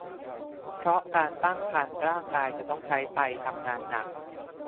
เพราะการตั้งครรภ์ร่างกายจะต้องใช้ไตทำงานหนัก